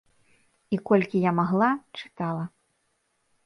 І колькі я магла, чытала.